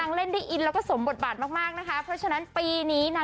งารมณ์เฉินมือลอเลย